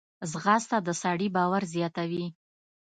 ځغاسته د سړي باور زیاتوي